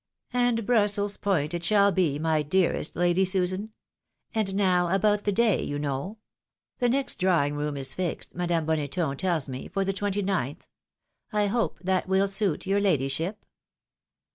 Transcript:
" And Brussels point it shall be, my dearest Lady Susan. And now about the day, you know. The next drawing room is fixed, Madame Boneton tells me, for the 29th— I hope that will suit your ladyship